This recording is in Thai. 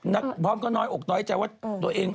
พร้อมก็น้อยอกน้อยใจว่าตัวเอง